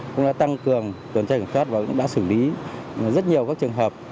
cũng đã tăng cường tuần trai cảnh thoát và cũng đã xử lý rất nhiều các trường hợp